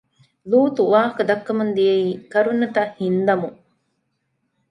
ލޫޠު ވާހަކަދައްކަމުން ދިޔައީ ކަރުނަތައް ހިންދަމުން